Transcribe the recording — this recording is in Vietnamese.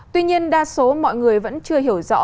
tuy nhiên đa số mọi người vẫn chưa hiểu rõ